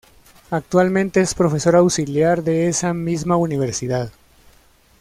Actualmente es profesor auxiliar de esa misma universidad.